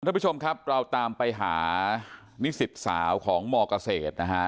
ท่านผู้ชมครับเราตามไปหานิสิตสาวของมเกษตรนะฮะ